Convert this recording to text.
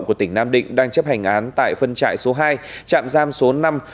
của tỉnh nam định đang chấp hành án tại phân trại số hai trạm giam số năm